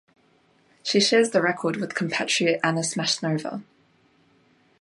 She shares the record with compatriot Anna Smashnova.